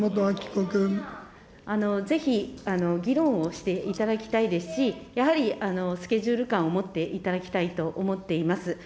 ぜひ議論をしていただきたいですし、やはりスケジュール感を持っていただきたいと思っています。